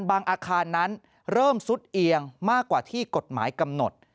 อาคารนั้นเริ่มซุดเอียงมากกว่าที่กฎหมายกำหนด